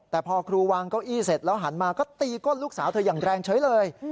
แต่พอครูวางเก้าอี้เสร็จแล้วหันมาก็ตีก้นลูกสาวเธออย่างแรงเฉยเลย